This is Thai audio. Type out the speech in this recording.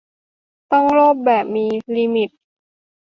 ต้องโลภแบบมีลิมิต